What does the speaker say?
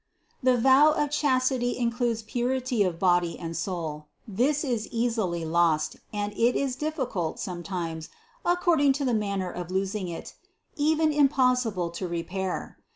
458. The vow of chastity includes purity of body and soul; this is easily lost, and it is difficult, sometimes, ac cording to the manner of losing it, even impossible to re pair.